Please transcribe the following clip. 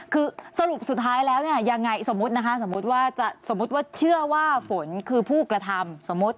คือสรุปสุดท้ายแล้วยังไงสมมุติว่าเชื่อว่าฝนคือผู้กระทำ